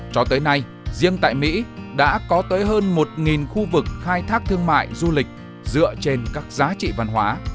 cho tới nay riêng tại mỹ đã có tới hơn một khu vực khai thác thương mại du lịch dựa trên các giá trị văn hóa